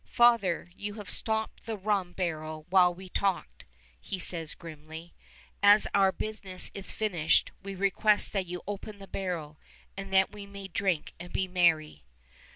"Father, you have stopped the rum barrel while we talked," he says grimly; "as our business is finished, we request that you open the barrel, that we may drink and be merry."